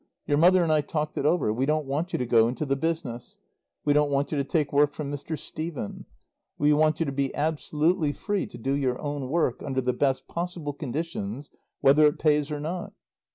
Your mother and I talked it over. We don't want you to go into the business. We don't want you to take work from Mr. Stephen. We want you to be absolutely free to do your own work, under the best possible conditions, whether it pays or not.